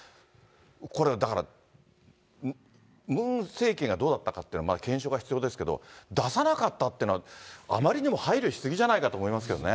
これは、だからムン政権がどうだったかというのは検証が必要ですけれども、出さなかったっていうのは、あまりにも配慮し過ぎじゃないかと思いますけどね。